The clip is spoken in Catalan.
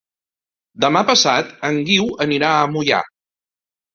Demà passat en Guiu anirà a Moià.